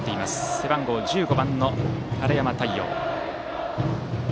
背番号１５番の晴山太陽。